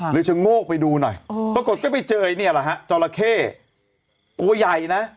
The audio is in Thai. ชะโงกไปดูหน่อยปรากฏก็ไปเจอเนี่ยแหละฮะจราเข้ตัวใหญ่นะ